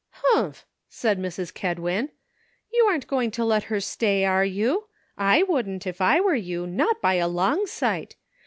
"Humph!" said Mrs. Kedwin, "you aren't going to let her stay, are you ? I wouldn't, if I were you, not by a long sight.